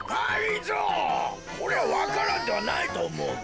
これはわか蘭ではないとおもうが。